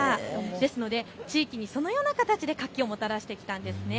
ですので地域にそのような形で活気をもたらしてきたんですね。